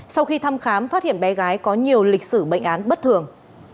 sau khi thăm khám phát hiện bé gái có nhiều lịch sử bệnh án bất thường